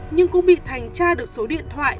nhưng cũng bị thành tra được số điện thoại